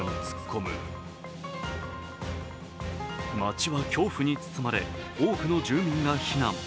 町は恐怖に包まれ多くの住民が避難。